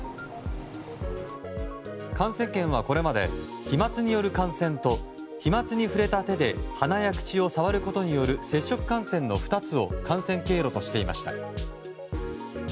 感染研はこれまで飛沫による感染と飛沫に触れた手で鼻や口を触ることによる接触感染の２つを感染経路としていました。